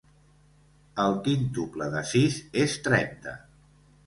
El quíntuple de sis és trenta.